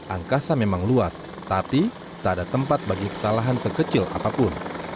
angkasa memang luas tapi tak ada tempat bagi kesalahan sekecil apapun